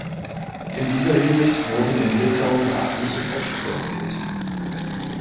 In dieser Hinsicht wurden in Litauen beachtliche Fortschritte erzielt.